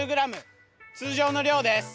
通常の量です。